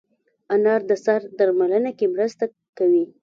انار د سر درملنه کې مرسته کوي.